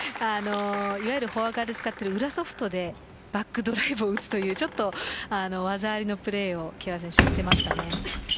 いわゆるフォア側で使っている裏ソフトでバックドライブを打つというちょっと技ありのプレーを木原選手、見せました。